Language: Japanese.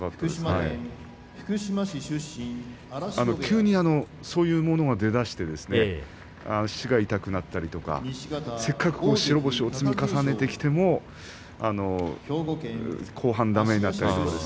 急にそういうものが出だして足が痛くなったりせっかく白星を積み重ねてきていても後半だめになって。